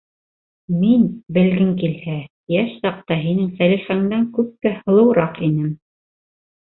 Мин, белгең килһә, йәш саҡта һинең Сәлихәңдән күпкә һылыуыраҡ инем.